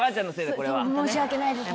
申し訳ないです